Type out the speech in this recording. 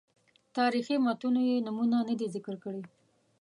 تاریخي متونو یې نومونه نه دي ذکر کړي.